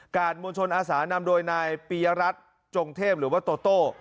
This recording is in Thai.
มวลชนอาสานำโดยนายปียรัฐจงเทพหรือว่าโตโต้